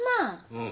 うん。